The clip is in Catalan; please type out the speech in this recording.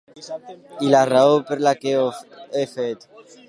I la raó per la que ho he fet.